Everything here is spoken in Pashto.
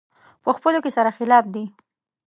په خپلو کې سره مخالف دي.